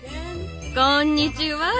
こんにちは。